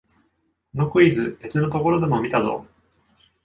このクイズ、別のところでも見たぞ